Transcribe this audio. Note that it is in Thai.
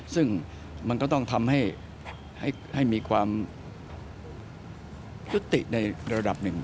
ซึ่งมันก็ต้องทำให้มีความยุติในระดับหนึ่ง